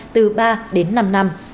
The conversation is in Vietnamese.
từ ba đến năm năm